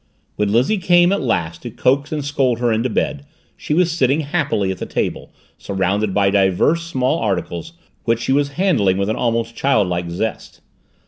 When Lizzie came at last to coax and scold her into bed, she was sitting happily at the table surrounded by divers small articles which she was handling with an almost childlike zest.